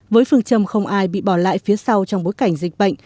với phương châm không ai bị bỏ lại phía sau trong bối cảnh dịch bệnh